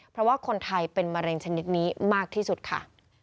เพราะว่าคนไทยเป็นมะเร็งชนิดนี้มากที่สุดค่ะ